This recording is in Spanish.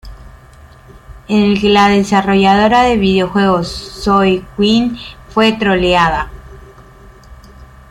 en el que la desarrolladora de videojuegos Zoë Quinn fue troleada